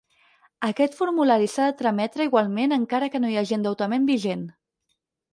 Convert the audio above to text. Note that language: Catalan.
Aquest formulari s'ha de trametre igualment encara que no hi hagi endeutament vigent.